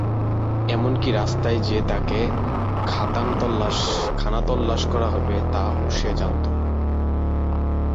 এমনকি রাস্তায় যে তাকে খানাতল্লাশ করা হবে তা-ও সে জানত।